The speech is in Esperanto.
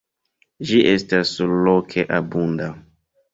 Ĝi estas surloke abunda.